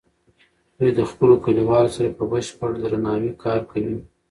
دوی د خپلو کلیوالو سره په بشپړ درناوي کار کوي.